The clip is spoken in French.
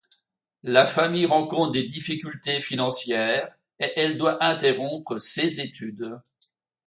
La famille rencontre des difficultés financières et elle doit interrompre ses études.